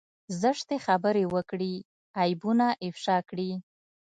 زشتې خبرې وکړي عيبونه افشا کړي.